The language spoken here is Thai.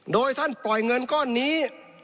โดยท่านปล่อยเงินก้อนนี้